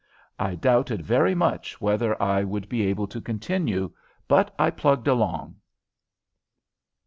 I doubted very much whether I would be able to continue, but I plugged along.